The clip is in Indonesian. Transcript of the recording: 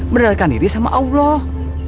menerakan diri sama allah